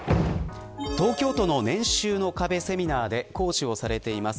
東京都の、年収の壁セミナーで講師をされています